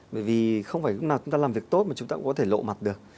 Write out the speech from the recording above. bởi vì không phải lúc nào chúng ta làm việc tốt mà chúng ta cũng có thể lộ mặt được